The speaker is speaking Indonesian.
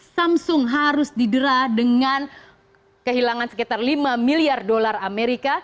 samsung harus didera dengan kehilangan sekitar lima miliar dolar amerika